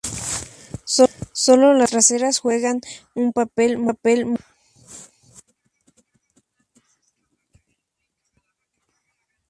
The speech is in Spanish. Solo las patas traseras juegan un papel motriz.